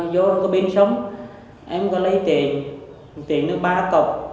vô cái bín sống em có lấy tiền tiền được ba cọc